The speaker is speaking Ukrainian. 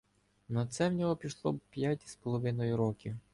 На це в нього пішло б п'ять з половиною років.